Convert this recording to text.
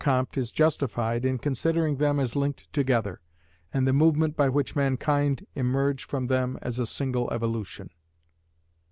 Comte is justified in considering them as linked together, and the movement by which mankind emerge from them as a single evolution.